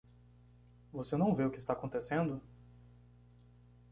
Você não vê o que está acontecendo?